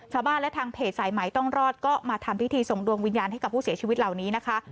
ชาวบ้านและทางเพจสายไหมต้องรอดก็มาทำพิธีส่งดวงวิญญาณให้กับผู้เสียชีวิตเหล่านี้นะคะ